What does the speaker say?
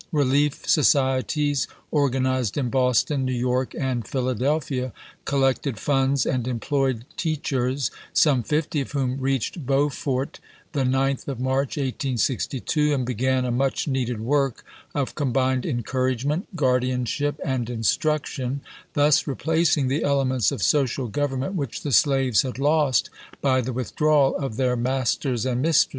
Kehef societies, organized in Boston, New York, and Philadelphia, collected funds and employed teach ers, some fifty of whom reached Beaufort the 9th of March, 1862, and began a much needed work of combined encouragement, guardianship, and instruction, thus replacing the elements of social government which the slaves had lost by the with drawal of their masters and mistresses.